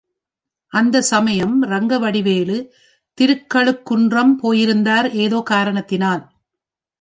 அச்சமயம் ரங்கவடிவேலு திருக்கழுக்குன்றம் போயிருந்தார் ஏதோ காரணத்தினால்.